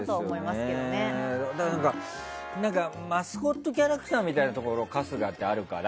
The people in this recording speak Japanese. だからマスコットキャラクターみたいなところが春日はあるから。